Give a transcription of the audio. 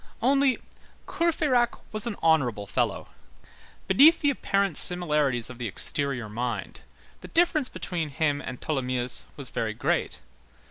Only, Courfeyrac was an honorable fellow. Beneath the apparent similarities of the exterior mind, the difference between him and Tholomyès was very great.